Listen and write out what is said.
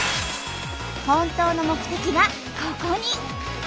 本当の目的がここに！